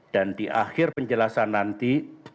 dan di akhir penjelasan nanti